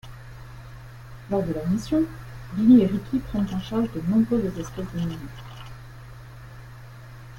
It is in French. Lors de leurs missions, Billy et Ricky prennent en charge de nombreuses espèces d’animaux.